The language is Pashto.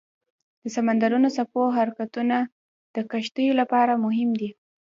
د سمندرونو څپو حرکتونه د کشتیو لپاره مهم دي.